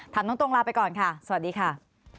ถามตรงลาไปก่อนค่ะสวัสดีค่ะ